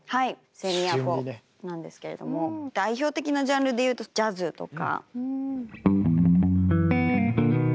セミアコなんですけれども代表的なジャンルでいうとジャズとか。